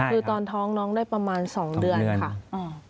คือตอนท้องน้องได้ประมาณ๒เดือนค่ะ